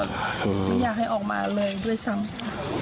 ไม่อยากให้ออกมาเลยด้วยซ้ำค่ะ